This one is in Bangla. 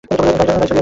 গাড়ি চলিয়া গেল।